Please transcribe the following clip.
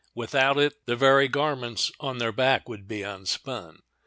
Without it the very garments on their back would be unspun.